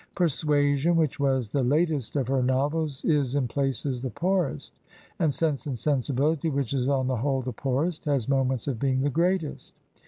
"Persuasion," which was the latest of her novels, is in places the poorest, and "Sense and SensibiUty," which is, on the whole, the poorest, has moments of being the greatest.